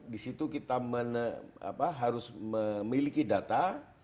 di situ kita harus memiliki data